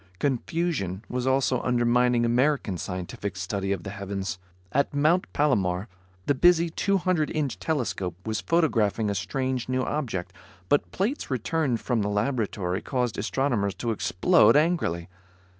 Confusion was also undermining American scientific study of the heavens. At Mount Palomar the busy 200 inch telescope was photographing a strange new object, but plates returned from the laboratory caused astronomers to explode angrily.